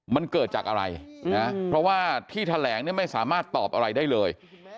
มันเกิดจากอะไรนะเพราะว่าที่แถลงเนี่ยไม่สามารถตอบอะไรได้เลย